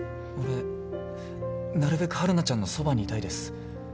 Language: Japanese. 俺なるべく晴汝ちゃんのそばにいたいです。